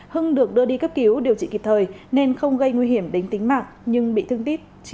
hưng được đưa đi cấp cứu điều trị kịp thời nên không gây nguy hiểm đến tính mạng nhưng bị thương tít chín mươi năm